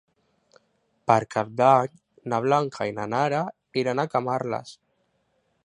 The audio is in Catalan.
Per Cap d'Any na Blanca i na Nara iran a Camarles.